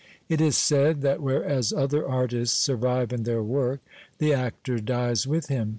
It is said that whereas other artists survive in their work, the actor's dies with him.